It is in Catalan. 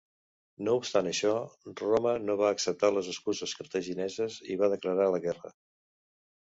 No obstant això, Roma no va acceptar les excuses cartagineses, i va declarar la guerra.